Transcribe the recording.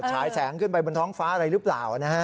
ฉายแสงขึ้นไปบนท้องฟ้าอะไรหรือเปล่านะฮะ